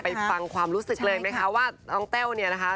ฟังความรู้สึกเลยไหมคะว่าน้องแต้วเนี่ยนะคะ